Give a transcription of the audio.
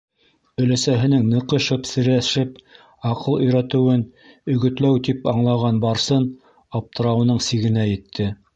Өләсәһенең ныҡышып-серәшеп аҡыл өйрәтеүен «өгөтләү» тип аңлаған Барсын аптырауының сигенә етте: